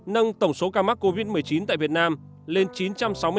nâng tổng số ca mắc covid một mươi chín tại việt nam lên chín trăm sáu mươi ca